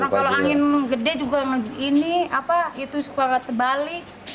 kalau angin gede juga ini itu suka terbalik